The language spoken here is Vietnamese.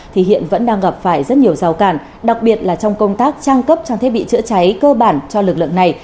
thì hiện vẫn đang gặp phải rất nhiều rào cản đặc biệt là trong công tác trang cấp trang thiết bị chữa cháy cơ bản cho lực lượng này